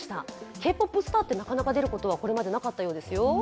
Ｋ−ＰＯＰスターってこれまで出ることはあまりなかったそうですよ。